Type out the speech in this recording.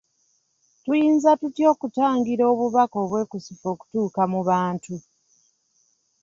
Tuyinza tutya okutangira obubaka obwekusifu okutuuka mu bantu.